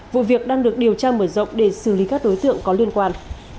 vụ việc đang được điều tra mở rộng để xử lý các đối tượng có liên quan